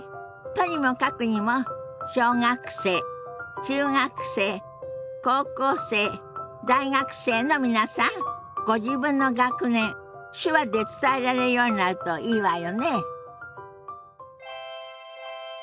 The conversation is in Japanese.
とにもかくにも小学生中学生高校生大学生の皆さんご自分の学年手話で伝えられるようになるといいわよね。